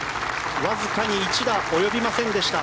わずかに１打及びませんでした。